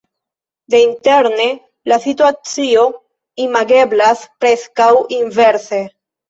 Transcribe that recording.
Deinterne la situacio imageblas preskaŭ inverse.